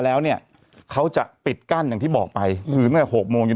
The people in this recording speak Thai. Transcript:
แล้วเนี่ยเขาจะปิดกั้นอย่างที่บอกไปคือตั้งแต่หกโมงเย็น